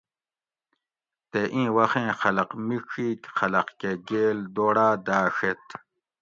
تے اِیں وخیں خلق مِڄیک خلق کہ گیل دوڑاۤ داڛیت